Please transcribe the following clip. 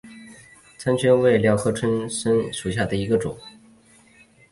拳参为蓼科春蓼属下的一个种。